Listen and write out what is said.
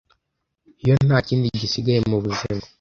Iyo ntakindi gisigaye mubuzima.